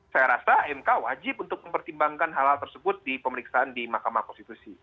saya rasa mk wajib untuk mempertimbangkan hal hal tersebut di pemeriksaan di mahkamah konstitusi